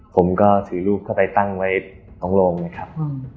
ผมก็ถือรูปเข้าไปตั้งไว้ตรงโรงนะครับ